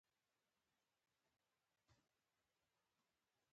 دا ځای ارام او خاموش دی.